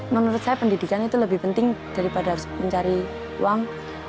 menurut saya pendidikan itu lebih penting daripada harus mencari uang